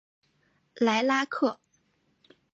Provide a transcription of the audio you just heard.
莱拉克。